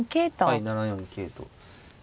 はい７四桂と。